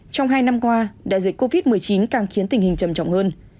trong hai năm qua đại dịch covid một mươi chín càng khiến tình hình trầm trọng hơn